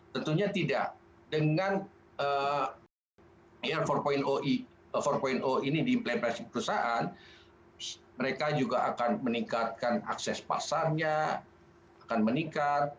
tentunya tidak dengan air empati empat ini diimplementasi perusahaan mereka juga akan meningkatkan akses pasarnya akan meningkat